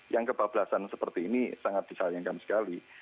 yang kebablasan seperti ini sangat disayangkan sekali